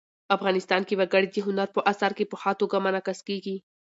افغانستان کې وګړي د هنر په اثار کې په ښه توګه منعکس کېږي.